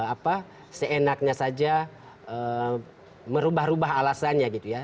apa seenaknya saja merubah rubah alasannya gitu ya